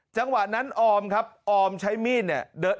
จังหวะนั้นออมครับออมใช้มีดเนี่ย